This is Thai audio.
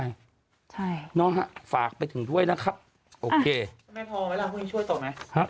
ใช่เนาะฮะฝากไปถึงด้วยนะครับโอเคไม่พอเวลาพวกนี้ช่วยต่อไหมฮะ